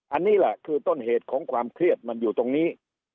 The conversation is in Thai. อันนี้แหละคือต้นเหตุของความเครียดมันอยู่ตรงนี้